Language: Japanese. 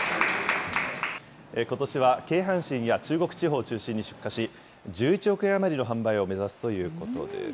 ことしは京阪神や中国地方を中心に出荷し、１１億円余りの販売を目指すということです。